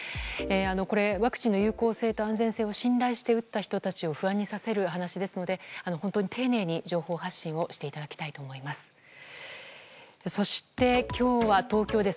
ワクチンの有効性と安全性を信じて打った人たちを不安にさせる話ですので本当に丁寧に情報発信をしていただきたいと思います。